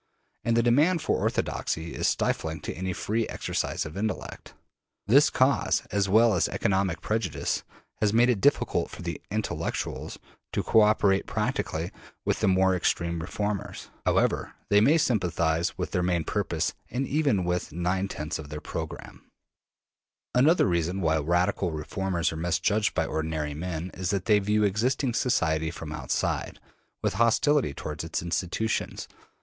And the demand for orthodoxy is stifling to any free exercise of intellect. This cause, as well as economic prejudice, has made it difficult for the ``intellectuals'' to co operate prac tically with the more extreme reformers, however they may sympathize with their main purposes and even with nine tenths of their program. Another reason why radical reformers are misjudged by ordinary men is that they view existing society from outside, with hostility towards its institutions.